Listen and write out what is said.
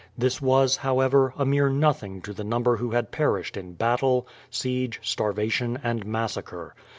This was, however, a mere nothing to the number who had perished in battle, siege, starvation, and massacre.